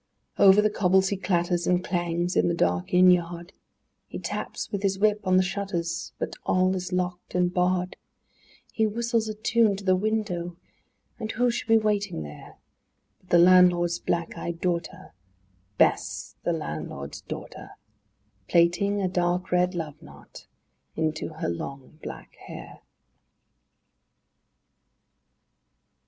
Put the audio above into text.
XI Over the cobbles he clatters and clangs in the dark inn yard; He taps with his whip on the shutters, but all is locked and barred; He whistles a tune to the window, and who should be waiting there But the landlord's black eyed daughter, Bess, the landlord's daughter, Plaiting a dark red love knot into her long black hair.